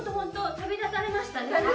旅立たれましたね。